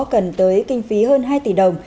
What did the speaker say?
cần tới kinh phí hơn hai tỷ đồng